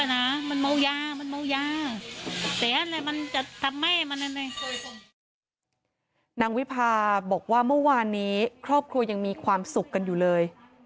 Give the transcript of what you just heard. นางวิพาบอกว่าเมื่อวานนี้ครอบครัวยังมีความสุขกันอยู่เลย